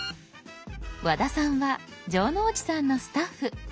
和田さんは城之内さんのスタッフ。